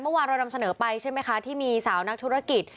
เมื่อวานเรานำเสนอไปใช่ไหมคะที่มีสาวนักธุรกิจ